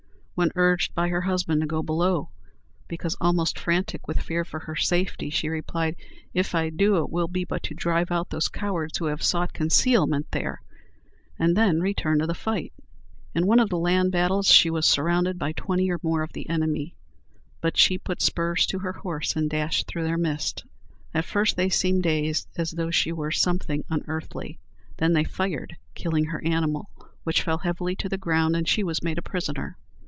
When urged by her husband to go below, because almost frantic with fear for her safety, she replied, "If I do, it will be but to drive out those cowards who have sought concealment there," and then return to the fight. In one of the land battles she was surrounded by twenty or more of the enemy; but she put spurs to her horse, and dashed through their midst. At first they seemed dazed, as though she were something unearthly; then they fired, killing her animal, which fell heavily to the ground; and she was made a prisoner.